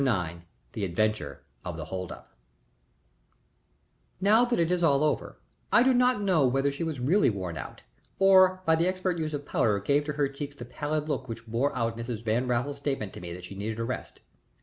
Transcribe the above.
IX THE ADVENTURE OF THE HOLD UP Now that it is all over, I do not know whether she was really worn out or by the expert use of powder gave to her cheeks the pallid look which bore out Mrs. Van Raffles's statement to me that she needed a rest.